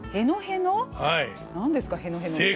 何ですか？へのへのって。